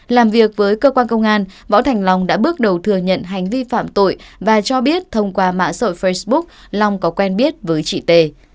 làm việc với cơ quan công an võ thành long đã bước đầu thừa nhận hành vi phạm tội và cho biết thông qua mạng xã hội facebook long có quen biết với chị t